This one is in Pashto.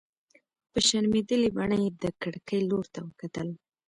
په شرمېدلې بڼه يې د کړکۍ لور ته وکتل.